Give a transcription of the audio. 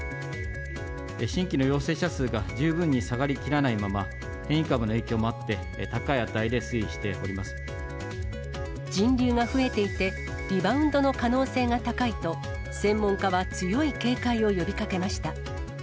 新規の陽性者数が十分に下がりきらないまま、変異株の影響もあって、高い値で推移しておりま人流が増えていて、リバウンドの可能性が高いと、専門家は強い警戒を呼びかけました。